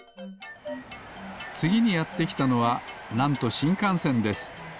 つぎにやってきたのはなんとしんかんせんです。